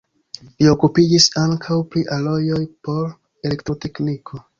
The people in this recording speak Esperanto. Li okupiĝis ankaŭ pri alojoj por elektrotekniko.